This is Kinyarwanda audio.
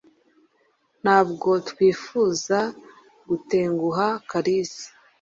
Ntabwo twifuza gutenguha Kalisa.